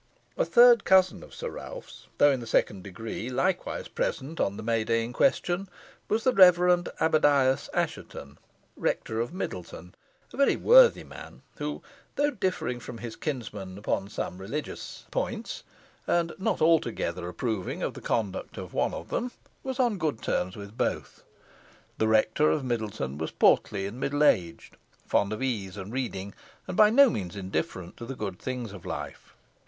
A third cousin of Sir Ralph's, though in the second degree, likewise present on the May day in question, was the Reverend Abdias Assheton, Rector of Middleton, a very worthy man, who, though differing from his kinsmen upon some religious points, and not altogether approving of the conduct of one of them, was on good terms with both. The Rector of Middleton was portly and middle aged, fond of ease and reading, and by no means indifferent to the good things of life.